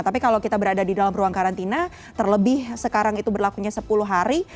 tapi kalau kita berada di dalam ruang karantina terlebih sekarang itu berlakunya sepuluh hari